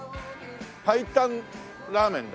白湯ラーメンだ。